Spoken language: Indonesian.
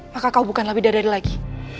maka kau bukanlah bidadari lagi